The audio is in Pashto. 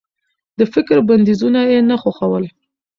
د فکر بنديزونه يې نه خوښول.